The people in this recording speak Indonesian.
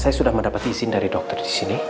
saya sudah mendapat izin dari dokter disini